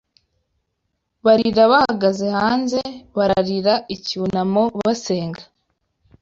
barira bahagaze hanze, Bararira, icyunamo, basenga